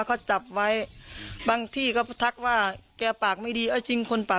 เขาทักก็บอกว่าอยู่ทิศนี้เลยให้หา